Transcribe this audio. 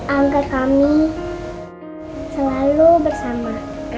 angkat kami selalu bersama